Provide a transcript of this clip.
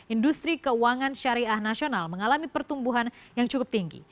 industri keuangan syariah nasional mengalami pertumbuhan yang cukup tinggi